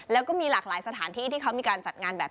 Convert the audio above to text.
แล้วก็มีหลากหลายสถานที่ที่เขามีการจัดงานแบบ